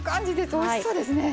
おいしそうですね。